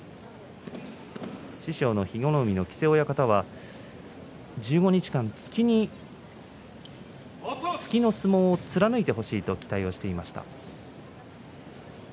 師匠の木瀬親方は、１５日間突きの相撲を貫いてほしいと期待をしていました。